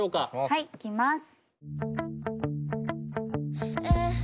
はいいきます。